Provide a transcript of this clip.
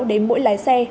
đến mỗi lái xe